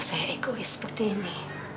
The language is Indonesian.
gak seharusnya saya egois seperti ini